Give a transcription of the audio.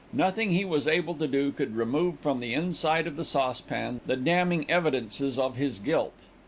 Nothing he was able to do could remove from the inside of the saucepan the damning evidences of his guilt.